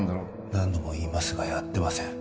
何度も言いますがやってません